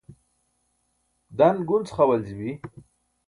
dan gunc xa waljibi